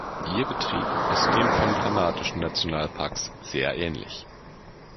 Ihr Betrieb ist dem von kanadischen Nationalparks sehr ähnlich.